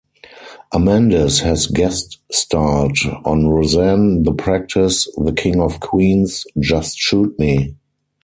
Amandes has guest-starred on "Roseanne", "The Practice", "The King of Queens", "Just Shoot Me!